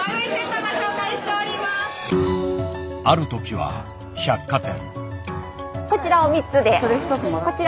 あるときは百貨店。